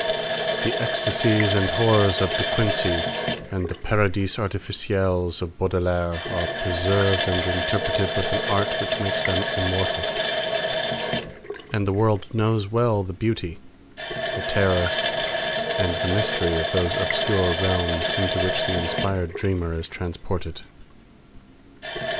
The ecstasies and horrors of De Quincey and the paradis artificiels of Baudelaire are preserved and interpreted with an art which makes them immortal, and the world knows well the beauty, the terror and the mystery of those obscure realms into which the inspired dreamer is transported.